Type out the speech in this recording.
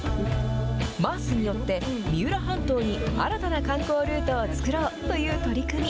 ＭａａＳによって三浦半島に新たな観光ルートを作ろうという取り組み。